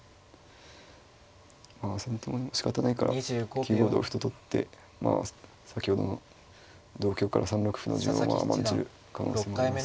まあ先手もしかたないから９五同歩と取ってまあ先ほどの同香から３六歩の順を甘んじる可能性もあります。